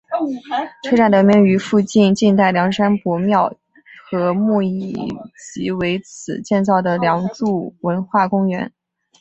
车站得名于附近晋代梁山伯庙和墓以及为此建造的梁祝文化公园。